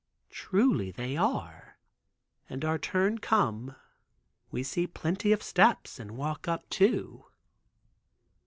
Truly they are, and our turn come we see plenty of steps and walk up too.